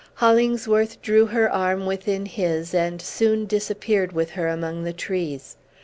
Hollingsworth drew her arm within his, and soon disappeared with her among the trees.